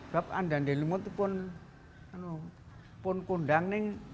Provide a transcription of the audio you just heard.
karena ande ande lumut pun kundang